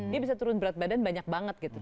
dia bisa turun berat badan banyak banget gitu